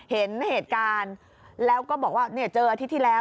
เห็นเหตุการณ์แล้วก็บอกว่าเนี่ยเจออาทิตย์ที่แล้ว